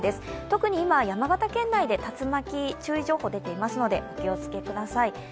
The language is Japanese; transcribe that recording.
特に今、山形県内で竜巻注意情報が出ていますので、お気をつけください。